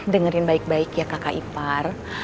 dengerin baik baik ya kakak ipar